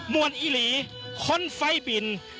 มวลอิหลีคนไฟบิน